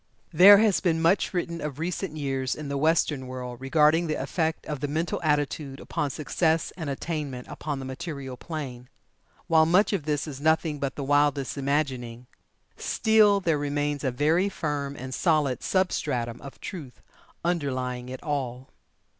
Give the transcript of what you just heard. There has been much written of recent years in the Western world regarding the effect of the Mental Attitude upon Success and attainment upon the material plane. While much of this is nothing but the wildest imagining, still there remains a very firm and solid substratum of truth underlying it all.